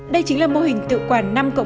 đây chính là mô hình tự quản năm cộng